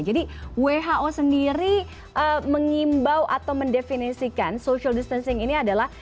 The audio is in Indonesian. jadi who sendiri mengimbau atau mendefinisikan social distancing ini adalah